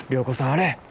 あれ。